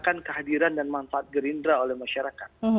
akan kehadiran dan manfaat gerindra oleh masyarakat